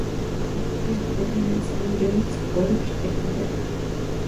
Estudió historia en el Saint John's College de Cambridge.